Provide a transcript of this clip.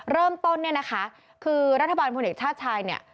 เริ่มต้นเนี่ยนะคะคือรัฐบาลพลเอกชาติชายเนี่ย